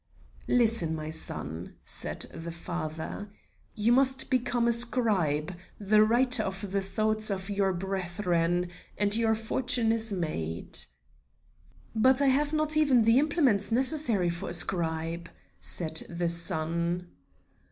"Listen, my son," said the father. "You must become a scribe, the writer of the thoughts of your brethren, and your fortune is made." "But I have not even the implements necessary for a scribe," said the son.